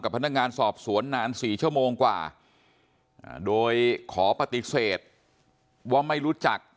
พนักงานสอบสวนนาน๔ชั่วโมงกว่าโดยขอปฏิเสธว่าไม่รู้จัก